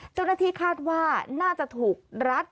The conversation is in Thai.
เจ้าหน้าที่คาดว่าน่าจะถูกรัด